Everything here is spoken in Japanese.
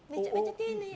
丁寧！